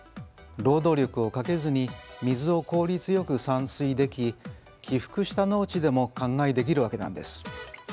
労働力をかけずに水を効率よく散水でき起伏した農地でも灌漑できるわけなんです。